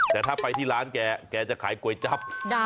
แต่ถ้าไปที่ร้านแกแกจะขายก๋วยจับ